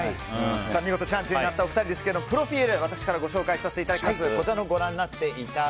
見事チャンピオンになったお二人ですけどもプロフィール私からご紹介させていただきます。